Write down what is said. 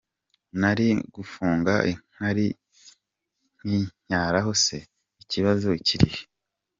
Nari gufunga inkari nkinyaraho se ? Ikibazo kirihe ?”.